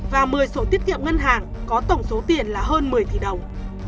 và một mươi sổ tiết kiệm ngân hàng có tổng số tiền là hơn một mươi tỷ đồng